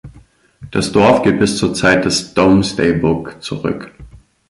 Das Dorf geht bis zur Zeit des „Domesday Book“ zurück.